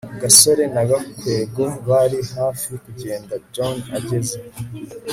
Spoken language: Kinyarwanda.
gasore na gakwego bari hafi kugenda john ageze